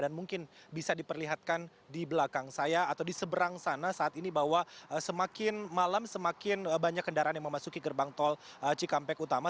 dan mungkin bisa diperlihatkan di belakang saya atau di seberang sana saat ini bahwa semakin malam semakin banyak kendaraan yang memasuki gerbang tol cikampek utama